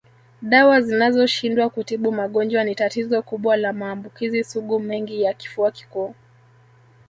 Dawa zinazoshindwa kutibu magonjwa ni tatizo kubwa la maambukizi sugu mengi ya kifua kikuu